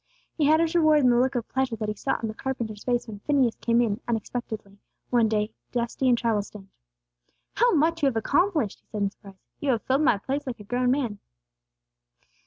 He had his reward in the look of pleasure that he saw on the carpenter's face when Phineas came in, unexpectedly, one day, dusty and travel stained. "How much you have accomplished!" he said in surprise. "You have filled my place like a grown man."